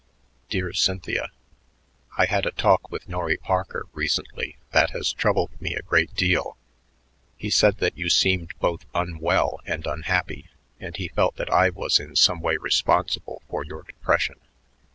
Dear Cynthia: I had a talk with Norry Parker recently that has troubled me a great deal. He said that you seemed both unwell and unhappy, and he felt that I was in some way responsible for your depression.